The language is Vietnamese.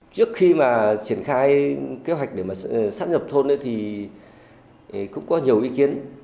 trước khi mà triển khai kế hoạch để xác nhập thôn thì cũng có nhiều ý kiến